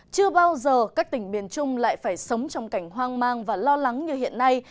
chưa bao giờ các tỉnh miền trung lại phải sống trong cảnh hoang mang và lo lắng như hiện nay